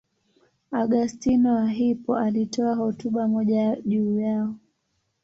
Augustino wa Hippo alitoa hotuba moja juu yao.